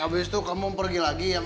abis itu kamu pergi lagi